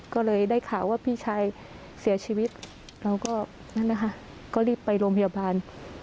ก็เลยได้ข่าวว่าพี่ชายเสียชีวิตเราก็นั่นนะคะก็รีบไปโรงพยาบาล